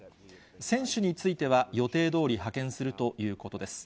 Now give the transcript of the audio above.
選手については予定どおり派遣するということです。